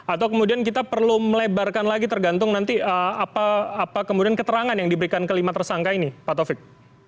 atau kemudian kita perlu melebarkan lagi tergantung nanti apa kemudian keterangan yang diberikan kelima tersangka ini pak taufik